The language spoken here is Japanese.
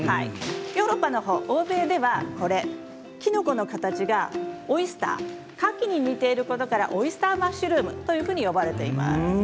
ヨーロッパ、欧米ではキノコの形がオイスターカキに似ていることからオイスターマッシュルームと呼ばれています。